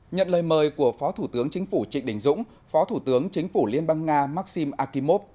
nhận lời mời của phó thủ tướng chính phủ trịnh đình dũng phó thủ tướng chính phủ liên bang nga maxim akimov